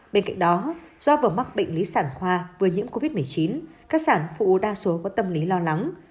bên cạnh đó do vừa mắc bệnh lý sản khoa vừa nhiễm covid một mươi chín các sản phụ đa số có tâm lý lo lắng